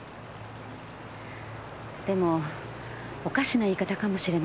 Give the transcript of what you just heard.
でもおかしな言い方かもしれないけど